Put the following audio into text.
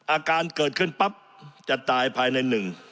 อาการเกิดขึ้นปั๊บจะตายภายในหนึ่ง